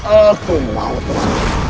aku mau tuhan